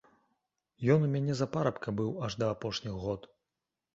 Ён у мяне за парабка быў аж да апошніх год.